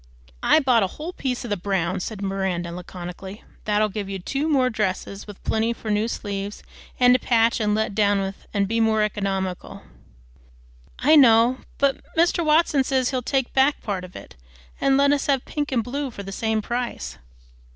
"I bought a whole piece of the brown," said Miranda laconically. "That'll give you two more dresses, with plenty for new sleeves, and to patch and let down with, an' be more economical." "I know. But Mr. Watson says he'll take back part of it, and let us have pink and blue for the same price."